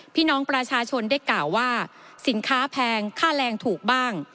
พี่น้องประชาชนได้กล่าวว่าสินค้าแพงค่าแรงถูกบ้าง